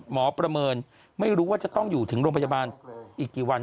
ประเมินไม่รู้ว่าจะต้องอยู่ถึงโรงพยาบาลอีกกี่วัน